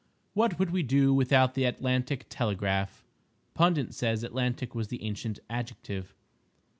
What would we do without the Atalantic telegraph? (Pundit says Atlantic was the ancient adjective.)